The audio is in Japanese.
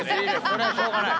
それはしょうがない。